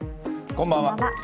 こんばんは。